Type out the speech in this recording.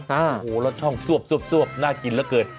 โฮโหแล้วช่องซวบน่ากินระเบิด